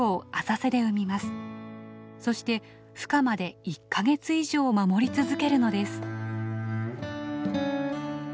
そしてふ化まで１か月以上守り続けるのです。